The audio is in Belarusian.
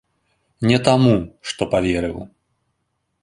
Не таму, што паверыў.